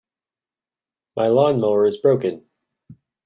My lawn-mower is broken.